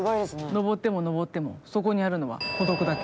登っても登ってもそこにあるのは孤独だけ。